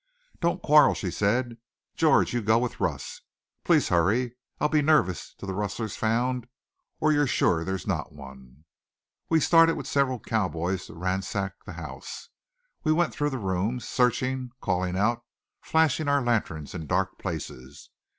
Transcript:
"Don't quarrel," she said. "George, you go with Russ. Please hurry. I'll be nervous till the rustler's found or you're sure there's not one." We started with several cowboys to ransack the house. We went through the rooms, searching, calling out, flashing our lanterns in dark places.